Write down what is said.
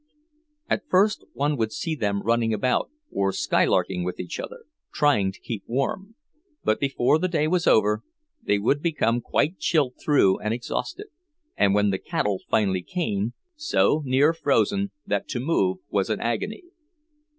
At first one would see them running about, or skylarking with each other, trying to keep warm; but before the day was over they would become quite chilled through and exhausted, and, when the cattle finally came, so near frozen that to move was an agony.